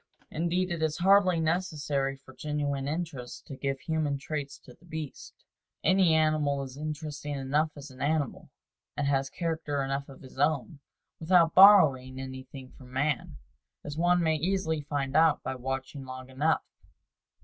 Indeed, it is hardly necessary for genuine interest to give human traits to the beasts. Any animal is interesting enough as an animal, and has character enough of his own, without borrowing anything from man as one may easily find out by watching long enough.